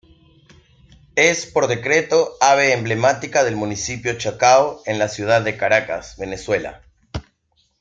Es por Decreto "Ave Emblemática del Municipio Chacao", en la Ciudad de Caracas, Venezuela.